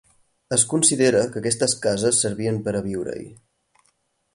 Es considera que aquestes cases servien per a viure-hi.